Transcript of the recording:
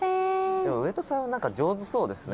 「でも上戸さんなんか上手そうですね」